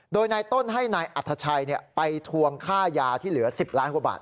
โดยนายต้นให้นายอัธชัยไปทวงค่ายาที่เหลือ๑๐ล้านกว่าบาท